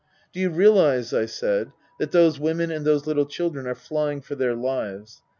" Do you realize," I said, " that those women and those little children are flying for their lives